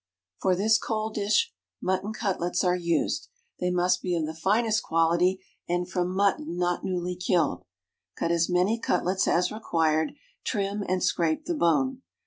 _ For this cold dish mutton cutlets are used. They must be of the finest quality, and from mutton not newly killed. Cut as many cutlets as required, trim, and scrape the bone.